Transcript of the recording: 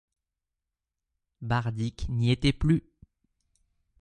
Bardik n’y était plus.